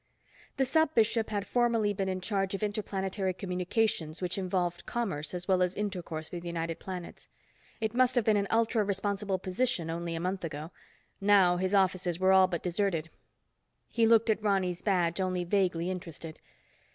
The Sub Bishop had formerly been in charge of Interplanetary Communications which involved commerce as well as intercourse with United Planets. It must have been an ultra responsible position only a month ago. Now his offices were all but deserted. He looked at Ronny's badge, only vaguely interested.